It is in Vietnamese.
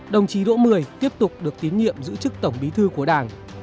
đồng chí độ một mươi tiếp tục được tiến nhiệm giữ chức tổng bí thư của đảng